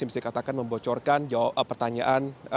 bisa dikatakan membocorkan pertanyaan